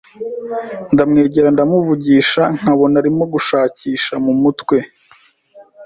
ndamwegera ndamuvugisha nkabona arimo gushakisha mu mutwe